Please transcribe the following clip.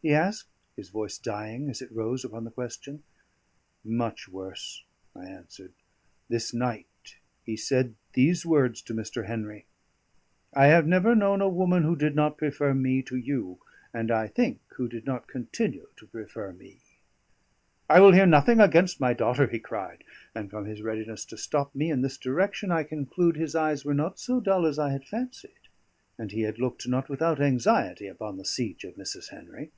he asked, his voice dying as it rose upon the question. "Much worse," I answered. "This night he said these words to Mr. Henry: 'I have never known a woman who did not prefer me to you, and I think who did not continue to prefer me.'" "I will hear nothing against my daughter," he cried; and from his readiness to stop me in this direction, I conclude his eyes were not so dull as I had fancied, and he had looked not without anxiety upon the siege of Mrs. Henry.